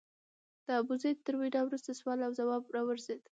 د ابوزید تر وینا وروسته سوال او ځواب راورسېد.